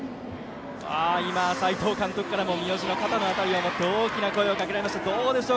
斎藤監督からも三好の肩の辺りを持って大きな声がかけられました。